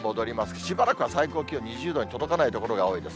しばらくは最高気温２０度に届かない所が多いです。